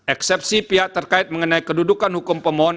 eksepsi pihak terkait mengenai kedudukan hukum pemohon